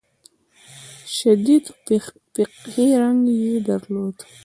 شدید فقهي رنګ یې درلود.